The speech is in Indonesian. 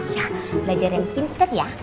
ya belajar yang pinter ya